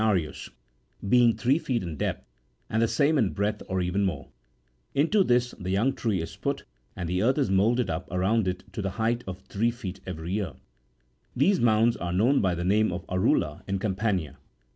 the purpose, the name given to which is " nov< nanus," 60 being three feet in depth, and the same in breadth or even more ; into this the young tree is put, and the earth is moulded up around it to the height of three feet every way. These mounds are known by the name of "arula"61 in Campania.